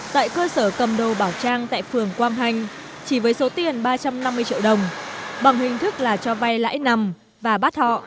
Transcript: tại cơ sở cầm đồ bảo trang tại phường quang hanh chỉ với số tiền ba trăm năm mươi triệu đồng bằng hình thức là cho vay lãi nằm và bắt họ